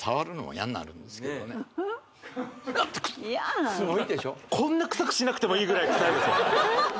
嫌すごいでしょこんな臭くしなくてもいいぐらい臭いですよ